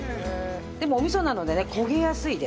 でもお味噌なのでね焦げやすいです。